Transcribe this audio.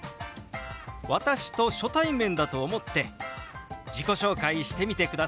私と初対面だと思って自己紹介してみてください。